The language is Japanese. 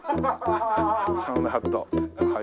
サウナハットはい。